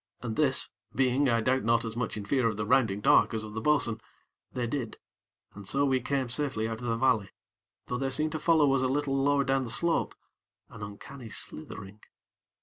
And this, being, I doubt not, as much in fear of the rounding dark as of the bo'sun, they did, and so we came safely out of the valley; though there seemed to follow us a little lower down the slope an uncanny slithering.